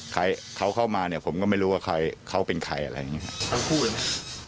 ใครเขาเข้ามาเนี่ยผมก็ไม่รู้ว่าใครเขาเป็นใครอะไรอย่างเงี้ย